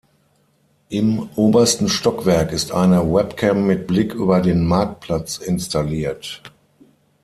Im obersten Stockwerk ist eine Webcam mit Blick über den Marktplatz installiert.